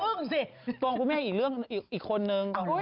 สุดท้องคุกแม่งอีกเรื่องอีกคนนึง